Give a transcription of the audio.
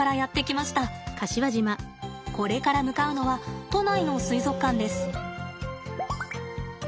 これから向かうのは都内の水族館です。